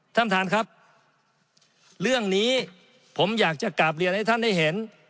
ท่านประธานครับเรื่องนี้ผมอยากจะกลับเรียนให้ท่านได้เห็น